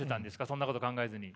そんなこと考えずに。